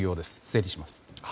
整理します。